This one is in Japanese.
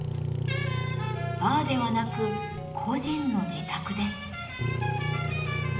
バーではなく個人の自宅です。